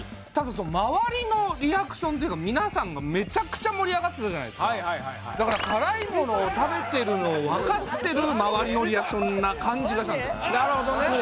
ただ周りのリアクションっていうか皆さんがめちゃくちゃ盛り上がってたじゃないっすかだから辛いものを食べてるのを分かってる周りのリアクションな感じがしたんですなるほどね